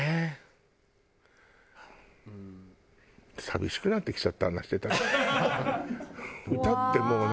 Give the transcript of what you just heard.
寂しくなってきちゃった話してたら。